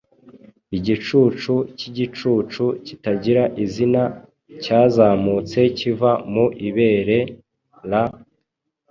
Igicucu cyigicucu kitagira izina cyazamutse kiva mu ibere r